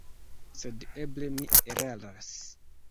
Sed eble mi eraras.